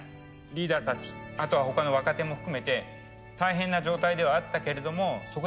リーダーたちあとは他の若手も含めて大変な状態ではあったけれどもそこですごい成長がありました。